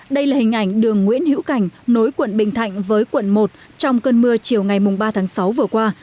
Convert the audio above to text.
đây là hình ảnh đường nguyễn hữu cảnh nối quận bình thạnh với quận một trong cơn mưa chiều ngày ba tháng sáu vừa qua